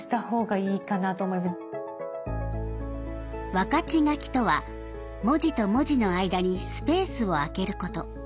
分かち書きとは文字と文字の間にスペースを空けること。